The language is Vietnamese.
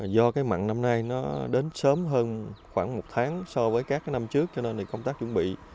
do cái mặn năm nay nó đến sớm hơn khoảng một tháng so với các năm trước cho nên thì công tác chuẩn bị